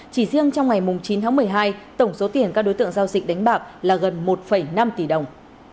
chỉ riêng trong ngày chín tháng một mươi hai tổng số tiền các đối tượng giao dịch đánh bạc là gần một năm tỷ đồng